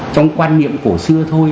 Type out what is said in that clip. trong quan niệm cổ xưa thôi